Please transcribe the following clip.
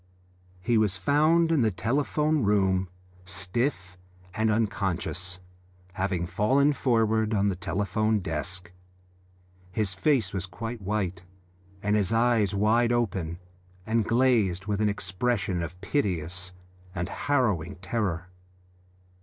He was found in the telephone room stiff and unconscious, having fallen forward on the telephone desk. His face was quite white, and his eyes wide open and glazed with an expression of piteous and harrowing terror.